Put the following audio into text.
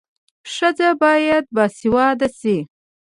ښځه باید باسواده سي.